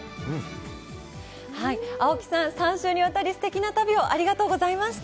青木さん、３週にわたり、すてきな旅をありがとうございました。